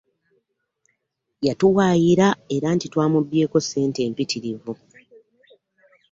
Yatuwaayira era nti twamubbyeeko ssente empitirivu.